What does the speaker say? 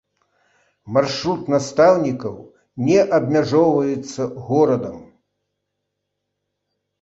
Маршрут настаўнікаў не абмяжоўваецца горадам.